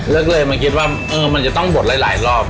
แล้วก็เลยมาคิดว่ามันจะต้องบดหลายรอบ